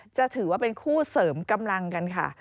จะถือว่าเป็นคู่เสริมกำลังกันค่ะ